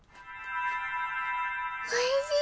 おいしい！